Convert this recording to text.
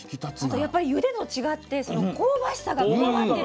やっぱりゆでと違って香ばしさが加わってる。